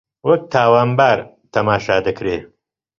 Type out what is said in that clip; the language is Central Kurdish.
وەک تاوانبار تەماشا دەکرێ